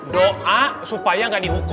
doa supaya nggak dihukum